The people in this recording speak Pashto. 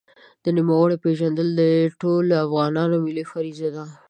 د نوموړي پېژندل د ټولو افغانانو ملي فریضه ده.